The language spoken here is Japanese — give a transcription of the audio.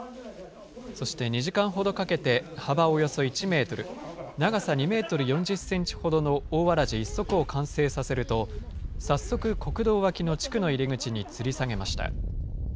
そして２時間ほどかけて、幅およそ１メートル、長さ２メートル４０センチほどの大わらじ１足を完成させると、早速、国道脇の地区の入り口につり下げました。